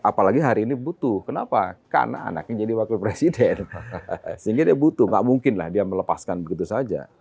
apalagi hari ini butuh kenapa karena anaknya jadi wakil presiden sehingga dia butuh nggak mungkin lah dia melepaskan begitu saja